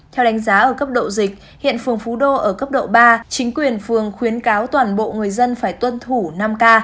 theo đánh giá ở cấp độ dịch hiện phường phú đô ở cấp độ ba chính quyền phường khuyến cáo toàn bộ người dân phải tuân thủ năm k